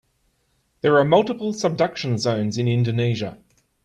There are multiple subduction zones in Indonesia.